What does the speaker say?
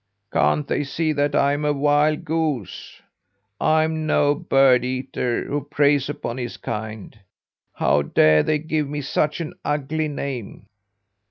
"Can't they see that I'm a wild goose? I'm no bird eater who preys upon his kind. How dare they give me such an ugly name?"